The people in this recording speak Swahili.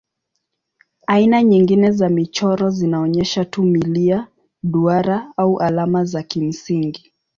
Aina nyingine za michoro zinaonyesha tu milia, duara au alama za kimsingi.